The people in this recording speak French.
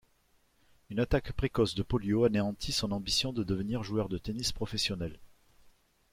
Une attaque précoce de polio anéantit son ambition de devenir joueur de tennis professionnel.